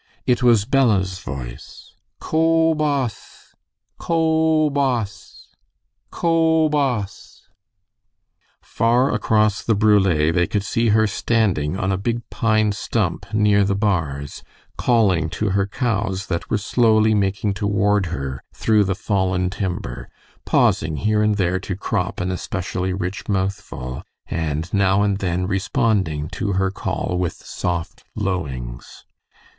It was Bella's voice: "Ko boss, ko boss, ko boss!" Far across the brule they could see her standing on a big pine stump near the bars, calling to her cows that were slowly making toward her through the fallen timber, pausing here and there to crop an especially rich mouthful, and now and then responding to her call with soft lowings.